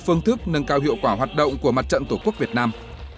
phương thức nâng cao hiệu quả hoạt động của mặt trận tổ quốc việt nam